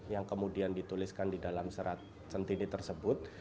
yang kemudian dituliskan di dalam serat sentini tersebut